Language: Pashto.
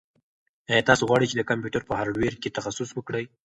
ایا تاسو غواړئ چې د کمپیوټر په هارډویر کې تخصص وکړئ؟